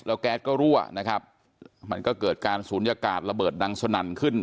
แก๊สก็รั่วนะครับมันก็เกิดการศูนยากาศระเบิดดังสนั่นขึ้น